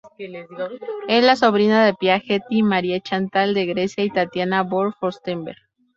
Es la sobrina de Pia Getty, Marie-Chantal de Grecia y Tatiana von Fürstenberg.